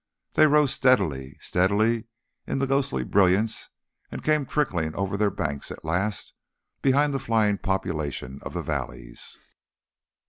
They rose steadily, steadily in the ghostly brilliance, and came trickling over their banks at last, behind the flying population of their valleys.